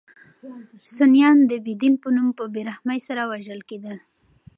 سنیان د بې دین په نوم په بې رحمۍ سره وژل کېدل.